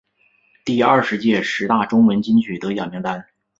第二十届十大中文金曲得奖名单